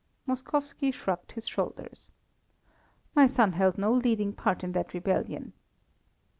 Moskowski shrugged his shoulders. "My son held no leading part in that rebellion."